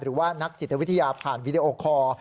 หรือว่านักจิตวิทยาผ่านวีดีโอคอร์